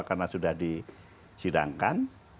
karena sudah di jidangkan